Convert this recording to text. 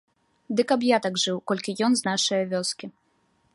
Ды каб я так жыў, колькі ён з нашае вёскі.